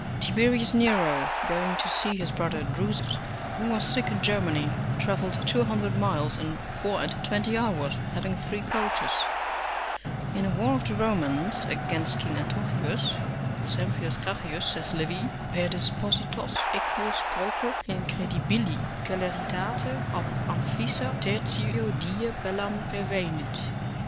Tiberius Nero, going to see his brother Drusus, who was sick in Germany, travelled two hundred miles in four and twenty hours, having three coaches. In the war of the Romans against King Antiochus, T. Sempronius Gracchus, says Livy: "Per dispositos equos prope incredibili celeritate ab Amphissa tertio die Pellam pervenit."